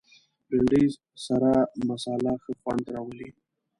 بېنډۍ سره مصالحه ښه خوند راولي